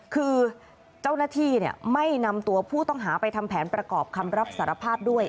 คือเจ้าหน้าที่ไม่นำตัวผู้ต้องหาไปทำแผนประกอบคำรับสารภาพด้วย